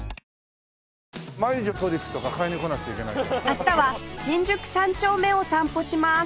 明日は新宿三丁目を散歩します